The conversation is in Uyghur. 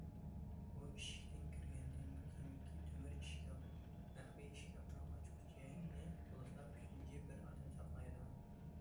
بۇ ئىشىكتىن كىرگەندىن كېيىنكى تۆمۈر ئىشكاپ، مەخپىي ئىشكاپنىڭ ئاچقۇچىنى بولسا ئۈچىنچى بىر ئادەم ساقلايدۇ.